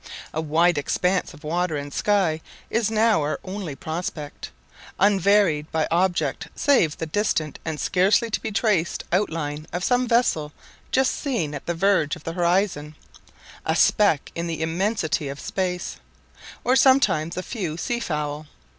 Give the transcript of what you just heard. A wide expanse of water and sky is now our only prospect, unvaried by any object save the distant and scarcely to be traced outline of some vessel just seen at the verge of the horizon, a speck in the immensity of space, or sometimes a few sea fowl.